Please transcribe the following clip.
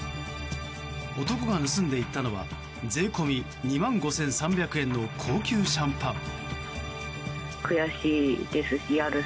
男が盗んでいったのは税込み２万５３００円の高級シャンパン。